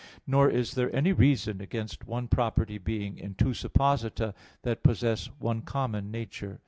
Nor is there any reason against one property being in two supposita that possess one common nature.